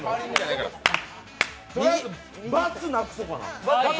バツなくそうかな。